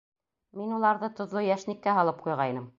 Мин уларҙы тоҙло йәшниккә һалып ҡуйғайным.